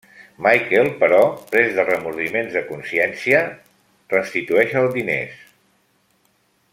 Michael, però, pres de remordiments de consciència, restitueix els diners.